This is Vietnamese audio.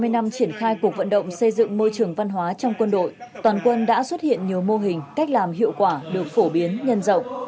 hai mươi năm triển khai cuộc vận động xây dựng môi trường văn hóa trong quân đội toàn quân đã xuất hiện nhiều mô hình cách làm hiệu quả được phổ biến nhân rộng